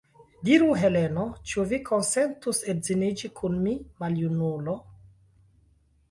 Diru, Heleno, ĉu vi konsentus edziniĝi kun mi, maljunulo?